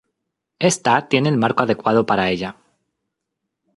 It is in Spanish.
Ésta tiene el marco adecuado para ella.